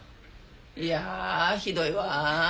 いやひどいわ。